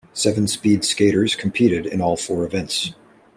Seven speed skaters competed in all four events.